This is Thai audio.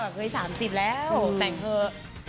เฮ้ย๓๐แล้วแต่งเถอะ